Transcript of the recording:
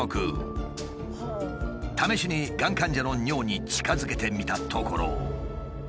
試しにがん患者の尿に近づけてみたところ。